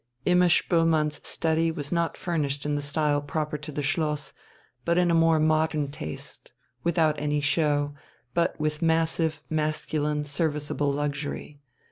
Imma Spoelmann's study was not furnished in the style proper to the Schloss, but in more modern taste, without any show, but with massive, masculine, serviceable luxury.